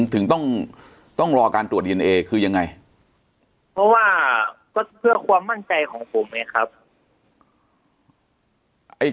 ถึงต้องรอการตรวจดีเอนเอคือยังไงเพราะว่าก็เพื่อความมั่นใจของผมไงครับ